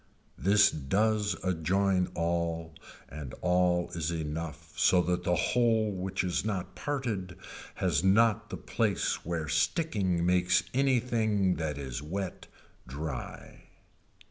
This does adjoin all and all is enough so that the whole which is not parted has not the place where sticking makes anything that is wet dry.